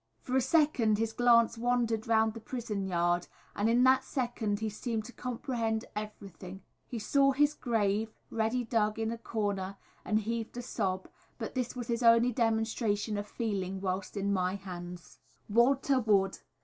For a second his glance wandered round the prison yard, and in that second he seemed to comprehend everything. He saw his grave, ready dug, in a corner, and heaved a sob, but this was his only demonstration of feeling whilst in my hands. [Illustration: Walter Wood.] _Walter Wood.